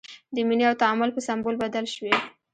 د مینې او تعامل په سمبول بدل شوی.